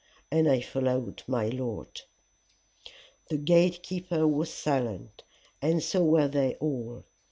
And I followed my Lord.'" The gate keeper was silent, and so were they all.